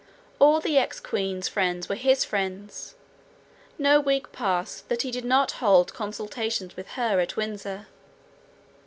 All the ex queen's friends were his friends; no week passed that he did not hold consultations with her at Windsor.